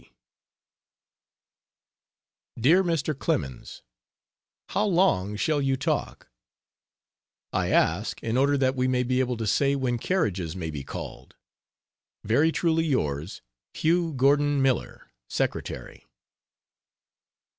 T. DEAR MR. CLEMENS, How long shall you talk? I ask in order that we may be able to say when carriages may be called. Very Truly yours, HUGH GORDON MILLER, Secretary.